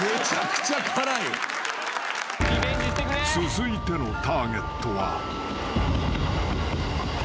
［続いてのターゲットは］